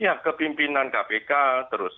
ya ke pimpinan kpk terus